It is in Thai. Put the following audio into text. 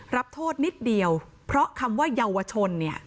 รับโทษนิดเดียวเพราะคำว่าเยาวชนเนี่ย